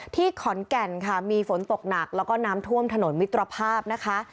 ขอนแก่นค่ะมีฝนตกหนักแล้วก็น้ำท่วมถนนมิตรภาพนะคะ